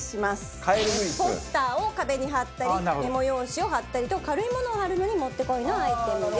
ポスターを壁に貼ったりメモ用紙を貼ったりと軽いものを貼るのにもってこいのアイテムです。